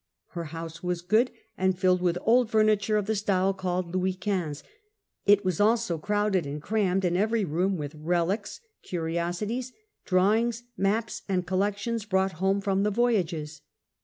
Her house was good, and filled with old furniture of the style called Louis Quinze; it was also crowdeil ami crammed in every room with relics, curiosities, drawings, maps, and collections brought home from the voyages.